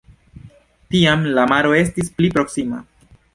Tiam la maro estis pli proksima.